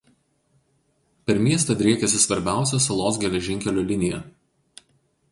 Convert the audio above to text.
Per miestą driekiasi svarbiausia salos geležinkelio linija.